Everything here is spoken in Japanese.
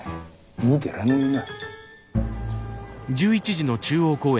見てらんねえな。